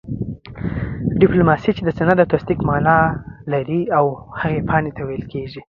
ډيپلوماسۍ چې د سند او تصديق مانا لري او هغې پاڼي ته ويل کيږي